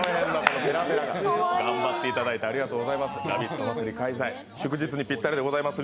頑張っていただいてありがとうございます。